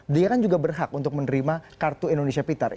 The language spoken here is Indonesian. dia kan juga berhak untuk menerima kartu indonesia pintar